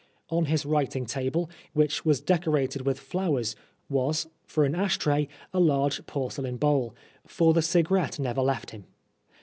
On his writing table, which was decorated with flowers, was, for an ash tray, a large porcelain bowl, for the cigarette never left him.